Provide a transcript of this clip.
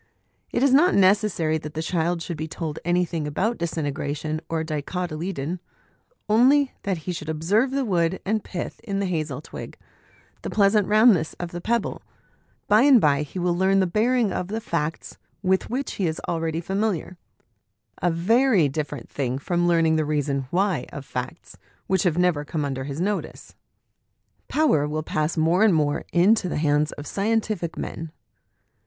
It is not necessary that the child should be told anything about disintegration or dicotyledon, only that he should observe the wood and pith in the hazel twig, the pleasant roundness of the pebble; by and by he will learn the bearing of the facts with which he is already familiar a very different thing from learning the reason why of facts which have never come under his notice. OUT OF DOOR LIFE FOR THE CHILDREN 71 Power will pass, more and more, into the hands of Scientific Men.